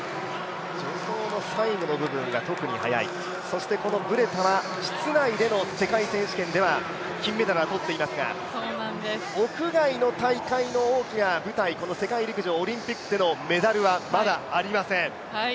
助走の最後の部分が特に速い、そしてこのブレタは室内での世界選手権では金メダルは取っていますが、屋外の大会の大きな舞台、世界陸上オリンピックでのメダルはまだありません。